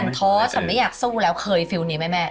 ท้อฉันไม่อยากสู้แล้วเคยฟิลล์นี้ไหมแม่